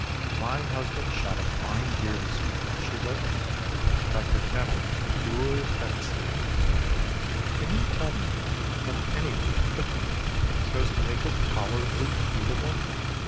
"My husband shot a fine deer this morning," she wrote, "but I could never endure venzon. Can you tell me of any way of cooking it so as to make it tolerably eatible?"